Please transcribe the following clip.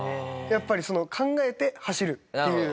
やっぱり考えて走るっていう。